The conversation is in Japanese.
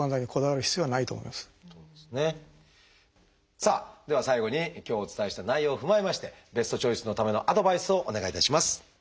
さあでは最後に今日お伝えした内容を踏まえましてベストチョイスのためのアドバイスをお願いいたします。